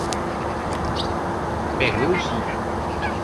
¡Pero eu si!